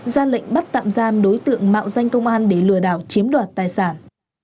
ra lệnh bắt tạm giam đối tượng mạo danh công an để lừa đảo chiếm đoạt tài sản